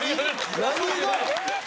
何が？